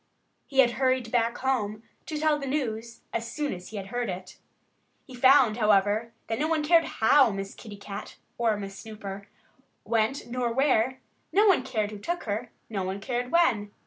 He had hurried back home to tell the news as soon as he had heard it. He found, however, that no one cared how Miss Kitty Cat (or Miss Snooper), went, nor where; no one cared who took her; no one cared when.